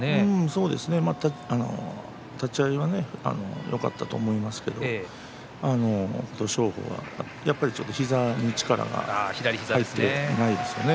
そうですね立ち合いはよかったと思いますけど琴勝峰はやっぱり膝に力が入っていないですね。